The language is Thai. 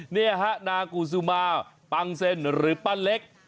นี่ฮะนางกูซูมาปังเซ็นหรือป้าเล็ก